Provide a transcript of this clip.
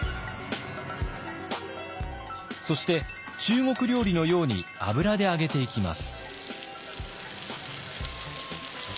そして中国料理のように油で揚げていきます。